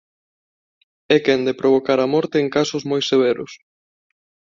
É quen de provocar a morte en casos moi severos.